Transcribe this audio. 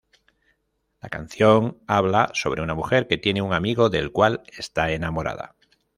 La canción habla sobre una mujer que tiene un amigo del cual está enamorada.